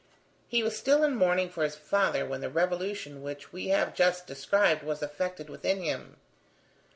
He was still in mourning for his father when the revolution which we have just described was effected within him.